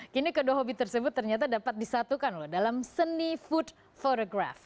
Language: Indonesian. kini kedua hobi tersebut ternyata dapat disatukan loh dalam seni food phoregraf